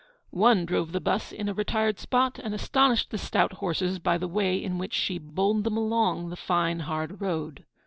One drove the bus in a retired spot and astonished the stout horses by the way in which she bowled them along the fine, hard road.